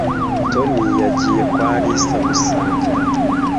Toni yagiye kwa Alice gusangira.